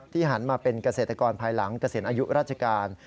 หันมาเป็นเกษตรกรภายหลังเกษียณอายุราชการ